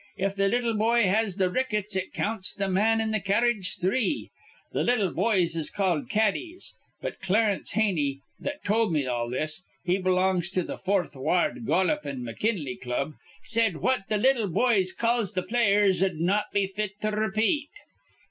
If th' little boy has th' rickets, it counts th' man in th' carredge three. The little boys is called caddies; but Clarence Heaney that tol' me all this he belongs to th' Foorth Wa ard Goluf an' McKinley Club said what th' little boys calls th' players'd not be fit f'r to repeat.